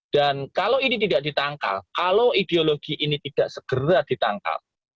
dan kalau ini tidak ditangkal kalau ideologi ini tidak segera ditangkal